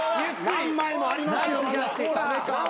何枚もありますよ。